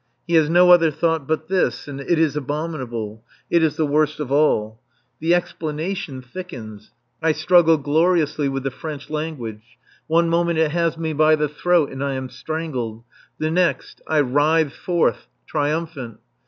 He has no other thought but this, and it is abominable; it is the worst of all. The explanation thickens. I struggle gloriously with the French language; one moment it has me by the throat and I am strangled; the next I writhe forth triumphant.